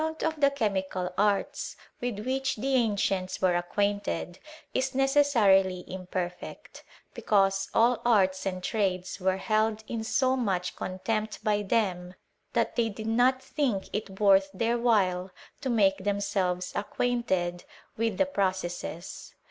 t ,i>f tKe chemical arts, with which th anCijBiits* jvere acqifainted, is necessarily imperfect . becatl9e aH artj» aHd trades were held in so much con texfil^i by IheVA,' thaf they did not think it worth the •••• whj'Ie to Diake themselves acc\viaiuted with the pre cesses.